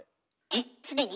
えっ既に？